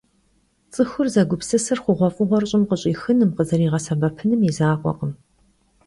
Ts'ıxur zegupsısır xhuğuef'ığuer ş'ım khızerış'ixınım, khızeriğesebepınım yi zakhuekhım.